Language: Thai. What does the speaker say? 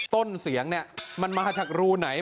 ต้นเสียงเนี่ยมันมาจากรูไหน